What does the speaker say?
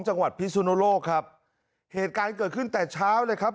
จังหวัดพิสุนโลกครับเหตุการณ์เกิดขึ้นแต่เช้าเลยครับ